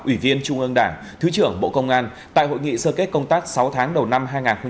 ủy viên trung ương đảng thứ trưởng bộ công an tại hội nghị sơ kết công tác sáu tháng đầu năm hai nghìn hai mươi ba